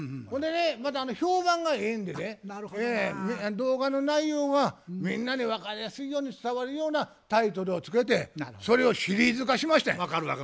ほんでねまた評判がええんでね動画の内容がみんなに分かりやすいように伝わるようなタイトルをつけてそれをシリーズ化しましたんや。